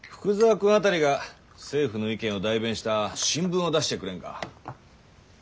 君辺りが政府の意見を代弁した新聞を出してくれんか。